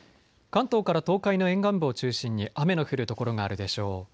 関東から東海の沿岸部を中心に雨の降る所があるでしょう。